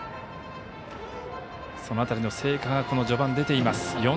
その辺りの成果が序盤に出ています。